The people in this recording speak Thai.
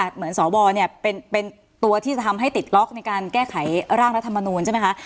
เหมือนสวเนี่ยเป็นตัวที่จะทำให้ติดล็อกในการแก้ไขร่างรัฐมนูลใช่ไหมคะ